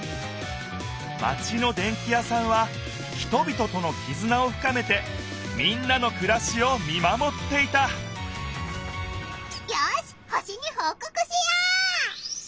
マチのでんき屋さんは人びととのきずなをふかめてみんなのくらしを見まもっていたよし星にほうこくしよう！